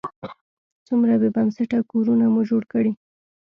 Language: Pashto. څومره بې بنسټه کورونه مو جوړ کړي.